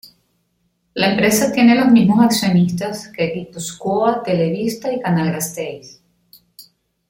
La empresa tiene los mismos accionistas que Gipuzkoa Telebista y Canal Gasteiz.